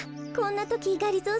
こんなときがり